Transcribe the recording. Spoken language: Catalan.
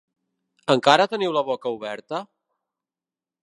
Encara teniu la boca oberta?